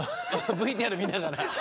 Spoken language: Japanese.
ＶＴＲ見ながら。